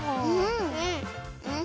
うん！